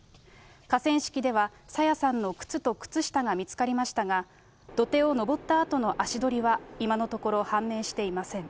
河川敷では、朝芽さんの靴と靴下が見つかりましたが、土手を上ったあとの足取りは今のところ判明していません。